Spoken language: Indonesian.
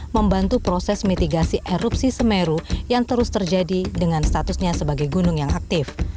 membantu proses mitigasi erupsi semeru yang terus terjadi dengan statusnya sebagai gunung yang aktif